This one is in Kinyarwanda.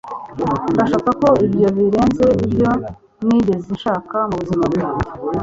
Ndashaka ko ibyo birenze ibyo nigeze nshaka mubuzima bwanjye.